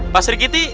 pak sri kiti